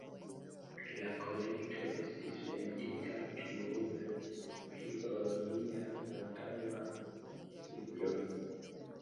La kolekto estis vendita duoble pli ol liaj antaŭaj libroj.